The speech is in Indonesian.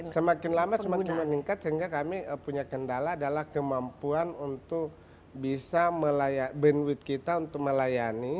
semakin lama semakin meningkat sehingga kami punya kendala adalah kemampuan untuk bisa bandwidth kita untuk melayani